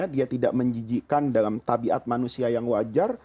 dia tidak menjijikan dalam tabiat manusia yang wajar